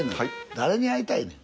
誰に会いたいねん？